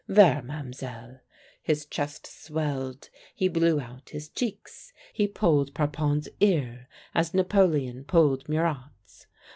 There, Ma'm'selle !" His chest swelled, he blew out his cheeks, he pulled Parpon's ear as Napoleon pulled Murat's.